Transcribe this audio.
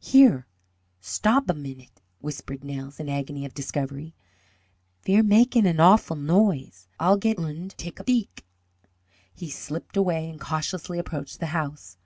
"Here, stob a minute!" whispered Nels, in agony of discovery. "Ve're magin' an awful noise. Ay'll go und take a beek." He slipped away and cautiously approached the house.